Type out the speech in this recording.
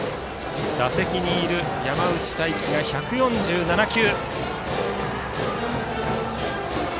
打席にいる山内太暉が１４７球。